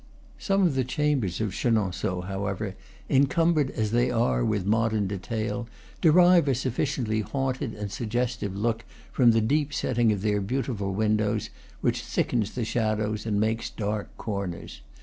Some of the chambers of Che nonceaux, however, encumbered as they are with mo dern detail, derive a sufficiently haunted and suggestive look from the deep setting of their beautiful windows, which thickens the shadows and makes dark, corners.